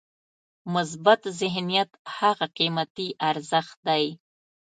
مثبت ذهنیت هغه قیمتي ارزښت دی.